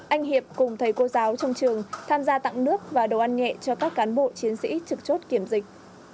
anh hiệp cùng thầy cô giáo trong trường tham gia tặng nước và đồ ăn nhẹ cho các cán bộ chiến sĩ trực chốt kiểm dịch